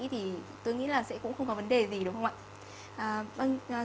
thì tôi nghĩ là sẽ cũng không có vấn đề gì đúng không ạ